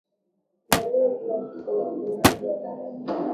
huzalishwa kila siku na watumiaji wa barabara hiyo